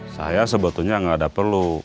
saya sebetulnya nggak ada perlu